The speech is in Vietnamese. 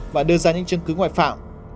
và đưa ra những chứng cứ ngoại phạm